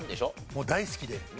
もう大好きで。